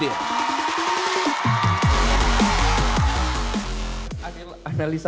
hennessey dan cipta pun berhasil mengambil kompetisi